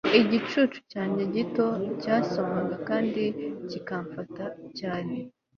igicucu cyanjye gito cyasomaga kandi kikamfata cyane